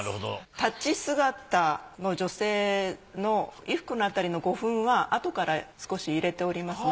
立ち姿の女性の衣服の辺りの胡粉はあとから少し入れておりますね。